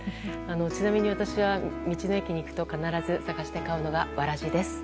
ちなみに私は道の駅に行って必ず探して買うのが、わらじです。